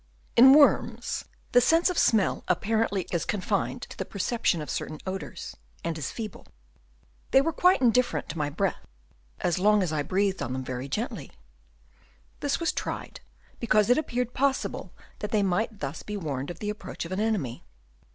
In worms the sense of smell apparently is confined to the perception of certain odours, 30 HABITS OF WOKMS. Chap. I. and is feeble. They were quite indifferent to my breath, as long as I breathed on them very gently. This was tried, because it appeared possible that they might thus be warned of the approach of an enemy.